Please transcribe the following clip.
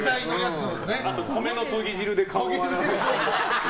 あと、米のとぎ汁で顔を洗う。